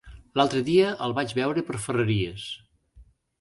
L'altre dia el vaig veure per Ferreries.